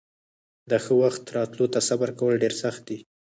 د ښه وخت راتلو ته صبر کول ډېر سخت دي.